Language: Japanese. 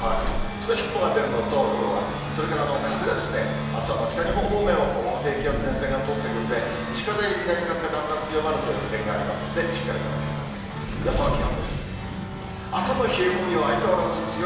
少し雲が出るのと、午後は、それから風があすは北日本方面を低気圧、前線が通ってくるんで、西風、南風がだんだん強まるという点がありますので、しっかり留めてください。